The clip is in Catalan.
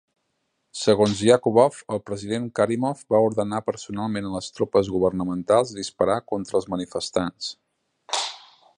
Segons Yakubov, el president Karimov va ordenar personalment a les tropes governamentals disparar contra els manifestants.